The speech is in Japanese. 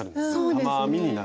玉編みになる。